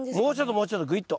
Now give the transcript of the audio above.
もうちょっとぐいっと。